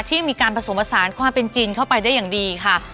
ที่มีการผสมผสานความเป็นจีนเข้าไปได้อย่างดีค่ะ